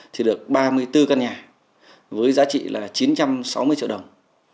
thì được ba mươi bốn căn nhà với giá trị là chín trăm sáu mươi triệu đồng